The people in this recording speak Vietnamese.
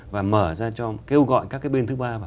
và mở ra cho kêu gọi các cái bên thứ ba vào